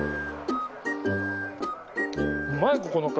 うまいここの柿。